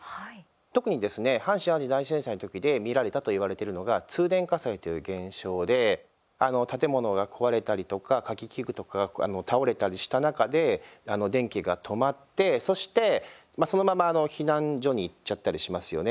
特にですね阪神・淡路大震災の時で見られたといわれているのが通電火災という現象であの、建物が壊れたりとか火気器具とかが倒れたりした中で電気が止まってそして、そのまま避難所に行っちゃったりしますよね。